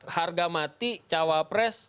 harga mati cawapres